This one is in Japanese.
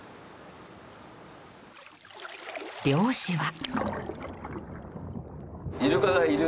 漁師は。